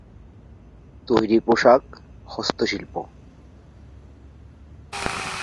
তৈরি পোশাক, হস্তশিল্প।